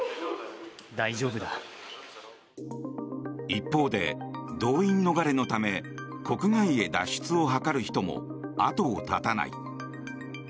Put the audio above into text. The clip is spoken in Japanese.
一方で、動員逃れのため国外へ脱出を図る人も後を絶たない。